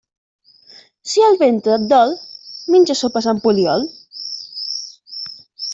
Si el ventre et dol, menja sopes amb poliol.